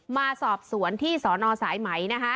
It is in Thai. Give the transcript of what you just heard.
มาสอบสวนที่สนสายไหมนะคะ